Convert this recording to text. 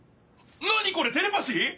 何これテレパシー！？